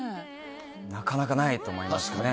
なかなかないと思いますね。